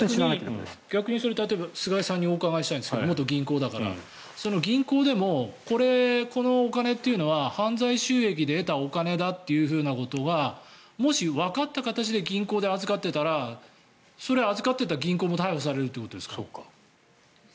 逆に菅井さんにお伺いしたいんですけど元銀行だから。銀行でもこのお金というのは犯罪収益で得たお金だということがもし、わかった形で銀行で預かっていたらそれは預かっていた銀行も逮捕されるということですか？